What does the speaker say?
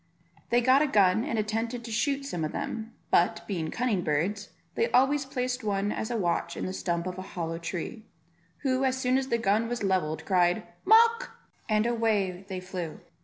They got a gun and attempted to shoot some of them; but, being cunning birds, they always placed one as a watch in the stump of a hollow tree; who, as soon as the gun was levelled cried "Mawk," and away they flew.